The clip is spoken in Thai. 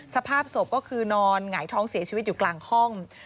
สภาพศพก็คือนอนหงายท้องเสียชีวิตอยู่กลางห้อง